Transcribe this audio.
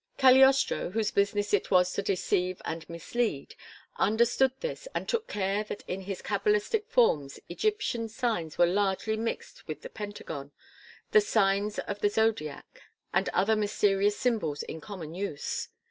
Cagliostro, whose business it was to deceive and mislead, understood this and took care that in his cabalistic forms Egyptian signs were largely mixed with the pentagon, the signs of the Zodiac, and other mysterious symbols in common use.